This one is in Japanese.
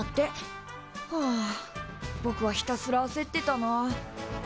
はあぼくはひたすらあせってたな。